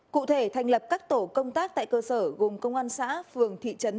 cụ thể thành lập các tổ công tác tại cơ sở gồm công an xã phường thị trấn